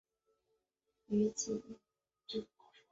于几内亚国内另有同名城镇。